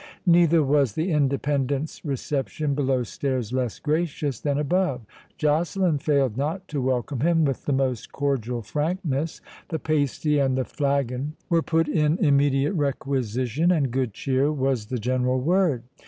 Neither was the Independent's reception below stairs less gracious than above. Joceline failed not to welcome him with the most cordial frankness; the pasty and the flagon were put in immediate requisition, and good cheer was the general word.